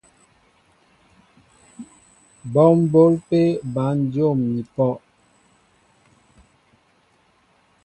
Bɔ́ m̀bǒl pé bǎn dyǒm ni pɔ́.